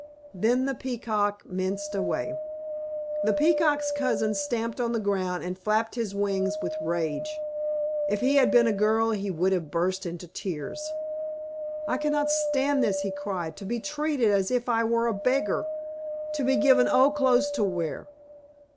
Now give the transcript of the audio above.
Then the Peacock minced away. The Peacock's cousin stamped on the ground and flapped his wings with rage. If he had been a girl he would have burst into tears. "I cannot stand this," he cried. "To be treated as if I were a beggar! To be given old clothes to wear!